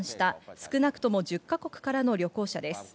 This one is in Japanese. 少なくとも１０か国からの旅行者です。